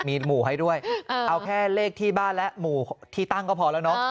มีหมู่ให้ด้วยเอาแค่เลขที่บ้านและหมู่ที่ตั้งก็พอแล้วเนาะ